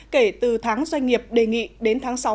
kể từ tháng doanh nghiệp đề nghị đến tháng sáu